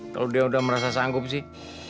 kalau dia udah merasa sanggup sih